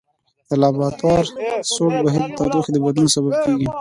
د لابرادور سوړ بهیر د تودوخې د بدلون سبب کیږي.